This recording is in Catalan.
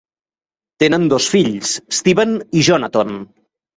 Tenen dos fills, Steven i Jonathon.